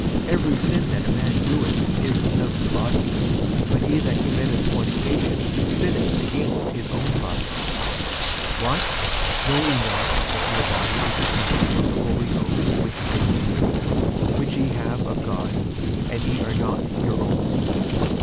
Every sin that a man doeth is without the body; but he that committeth fornication sinneth against his own body. 46:006:019 What? know ye not that your body is the temple of the Holy Ghost which is in you, which ye have of God, and ye are not your own?